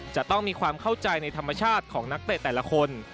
จะต้องมีความเข้าใจในธรรมชาติของนักเตะแต่ละคน